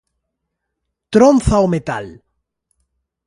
Tronza o metal.